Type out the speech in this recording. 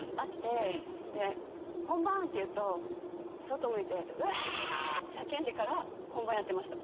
本番って言うと外向いて「ウワーッ！」って叫んでから本番やってました。